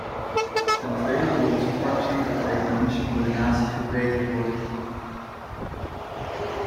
Ten tweede wil onze fractie dat de economische coördinatie verbeterd wordt.